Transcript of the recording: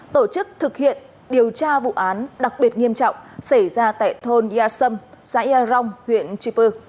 tổ chức thực hiện điều tra vụ án đặc biệt nghiêm trọng xảy ra tại thôn à sâm xã ia rong huyện chư pư